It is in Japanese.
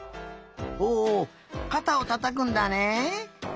おかたをたたくんだね。